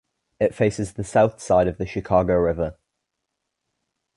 It faces the south side of the Chicago River.